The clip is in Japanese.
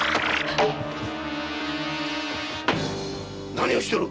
何をしておる！